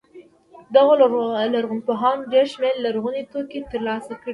دغو لرغونپوهانو ډېر شمېر لرغوني توکي تر لاسه کړي.